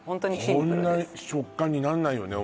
こんな食感になんないよね